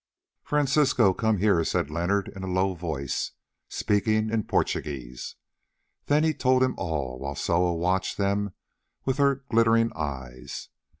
"Francisco, come here," said Leonard in a low voice, speaking in Portuguese. Then he told him all, while Soa watched them with her glittering eyes.